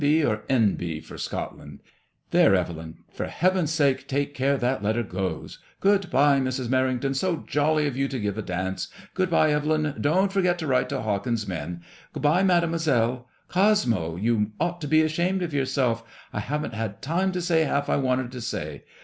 B. or N.B. for Scotland ? There, Evelyn, for heaven's sake take care that letter goes. Good bye, Mrs. Merrington; so jolly of you to give a dance. Good bye, Evelyn ; don't forget to write for Hawkins* men. Good bye, Mademoiselle. Cosmo, you ought to be ashamed of yourself, i haven't had time to say half I wanted to say.